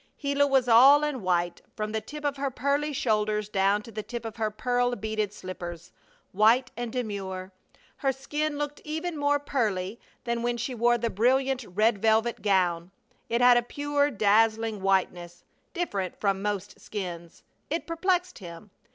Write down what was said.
Gila was all in white, from the tip of her pearly shoulders down to the tip of her pearl beaded slippers white and demure. Her skin looked even more pearly than when she wore the brilliant red velvet gown. It had a pure, dazzling whiteness, different from most skins. It perplexed him.